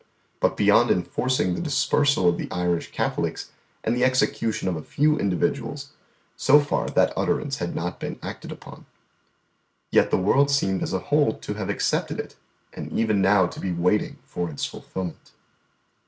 But beyond enforcing the dispersal of the Irish Catholics, and the execution of a few individuals, so far that utterance had not been acted upon. Yet the world seemed as a whole to have accepted it, and even now to be waiting for its fulfilment.